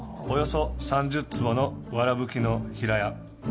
およそ３０坪の藁葺きの平屋。